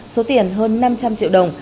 số tiền hơn năm trăm linh triệu đồng